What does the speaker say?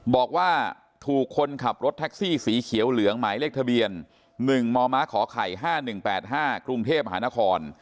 บอกว่าถูกคนขับรถแท็กซี่สีเขียวเหลืองหมายเลขทะเบียน๑มมขไข่๕๑๘๕กรุงเทพฯหานคร